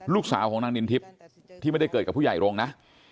ลูกสาวของนางนินทิพย์ที่ไม่ได้เกิดกับผู้ใหญ่โรงนะ